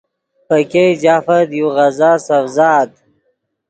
پے کئے جفآت یو غزا سڤزآت